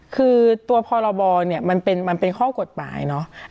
คือตัวพรบเนี่ยมันเป็นข้อกฎหมายเนอะ